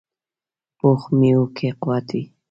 پخو میوو کې قوت وي